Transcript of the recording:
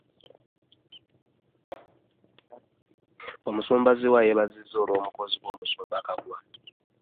Omusumba zziwa yeebazizza olw'obukozi bw'omusumba Kaggwa